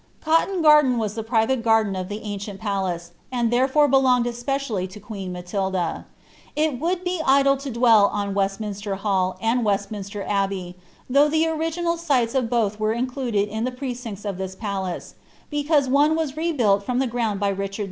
Coiton garden was the private garden of the uicteai {niaee, and therefore belonged especially lo queen Matilda. It wiiiii) be idle to dwell on Westminster Hall and Westminster Abbey, tlioi^ the original sites of both were included in the precincts of this pdwt because one was rebuilt from the ground by Richard H.